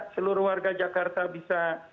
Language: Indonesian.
seluruh warga jakarta bisa